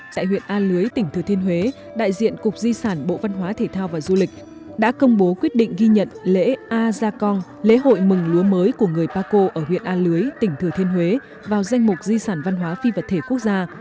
tại huyện a lưới tỉnh thừa thiên huế đại diện cục di sản bộ văn hóa thể thao và du lịch đã công bố quyết định ghi nhận lễ a gia cong lễ hội mừng lúa mới của người paco ở huyện a lưới tỉnh thừa thiên huế vào danh mục di sản văn hóa phi vật thể quốc gia